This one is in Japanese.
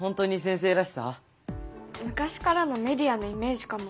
昔からのメディアのイメージかも。